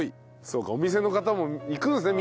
そうかお店の方も行くんですね